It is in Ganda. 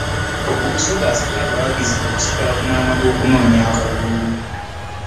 Sodo asabye abawagizi be okusigala ku mulamwa gw'okunoonya akalulu